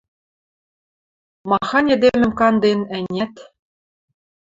– Махань эдемӹм канден, ӓнят!..